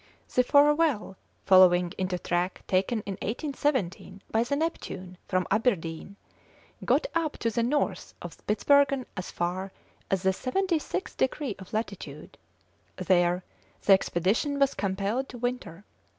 The Farewell, following the track taken in 1817 by the Neptune from Aberdeen, got up to the north of Spitzbergen as far as the seventy sixth degree of latitude. There the expedition was compelled to winter.